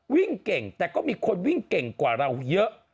วิ่งเก่งแต่ก็มีคนวิ่งเก่งกว่าเราเยอะ